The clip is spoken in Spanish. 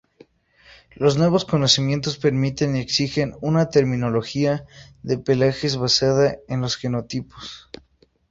Los nuevos conocimientos permiten y exigen una terminología de pelajes basada en los genotipos.